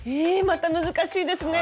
また難しいですね。